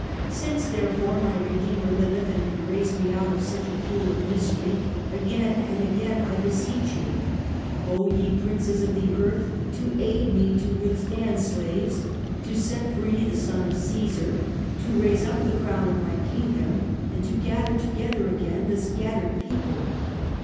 Since, therefore, my Redeemer liveth, and can raise me out of such a pool of misery, again and again I beseech you, O ye princes of the earth, to aid me to withstand slaves, to set free the son of Caesar, to raise up the Crown of my kingdom, and to gather together again the scattered people